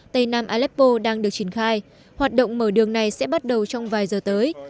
tây nam aleppo đang được triển khai hoạt động mở đường này sẽ bắt đầu trong vài giờ tới